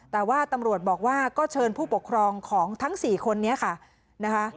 แต่ว่าตำรวจบอกว่าก็เชิญผู้ปกครองของทั้ง๔คนนี้ค่ะนะคะ